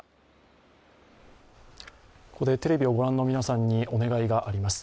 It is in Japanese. ここでテレビを御覧の皆さんにお願いがあります。